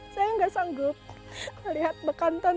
saya nggak sanggup lihat bekantan